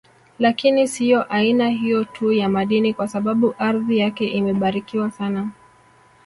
Lakini siyo aina hiyo tu ya madini kwa sababu ardhi yake imebarikiwa sana